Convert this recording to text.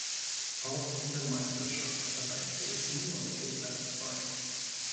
Auch in der Meisterschaft reichte es „nur“ zu Platz zwei.